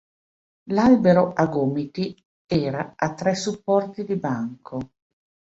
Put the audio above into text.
L'albero a gomiti era a tre supporti di banco.